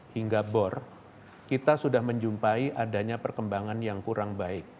hingga bor kita sudah menjumpai adanya perkembangan yang kurang baik